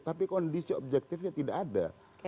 tapi kondisi objektifnya tidak ada